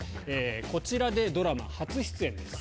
こちらでドラマ初出演です。